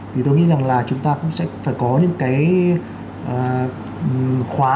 thì tôi nghĩ rằng là chúng ta cũng sẽ phải có những cái khóa